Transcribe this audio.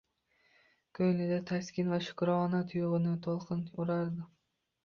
Ko‘nglida taskin va shukrona tuyg‘usi to‘lqin urardi.